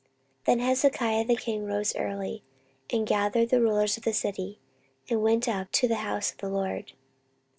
14:029:020 Then Hezekiah the king rose early, and gathered the rulers of the city, and went up to the house of the LORD.